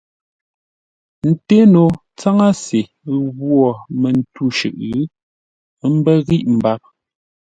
Ńté no tsáŋə́se ghwô mətû shʉʼʉ, ə́ mbə́ ghíʼ mbap.